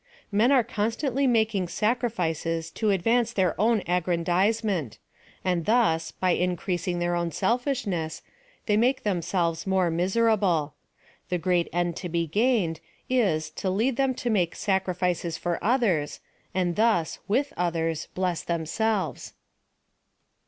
Men are constantly making sacrifices to ad vance their own aggrandizement, and thus, by in creasing their own selfishness, they make themselves more miserable : the great end to be gained, is, to lead them to make sacrifices for others, and thus, with others, bless themselves.